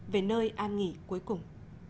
về nơi an nghỉ cuối cùng